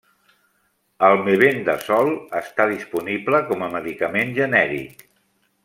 El mebendazole està disponible com a medicament genèric.